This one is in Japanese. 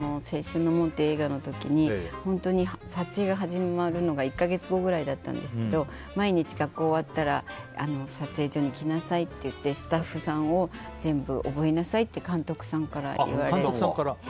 やっぱりデビューの時に「青春の門」っていう映画の時に撮影が始まるのが１か月後ぐらいだったんですけど毎日、学校が終わったら撮影所に来なさいって言ってスタッフさんを全部覚えなさいって監督さんから言われて。